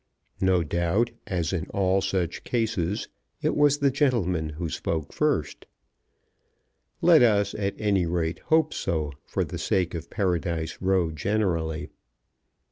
No doubt, as in all such cases, it was the gentleman who spoke first. Let us, at any rate, hope so for the sake of Paradise Row generally.